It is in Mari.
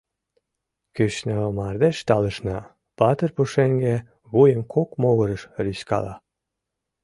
Кӱшнӧ мардеж талышна, патыр пушеҥге вуйым кок могырыш рӱзкала.